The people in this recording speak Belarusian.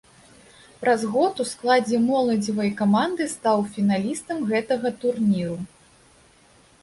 Праз год у складзе моладзевай каманды стаў фіналістам гэтага турніру.